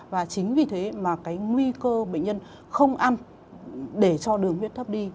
và chính vì thế mà cái nguy cơ bệnh nhân không ăn để cho đường huyết thấp đi